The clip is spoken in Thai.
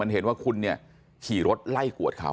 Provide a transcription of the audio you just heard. เห็นว่าคุณเนี่ยขี่รถไล่กวดเขา